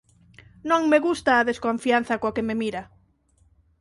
Non me gusta a desconfianza coa que me mira.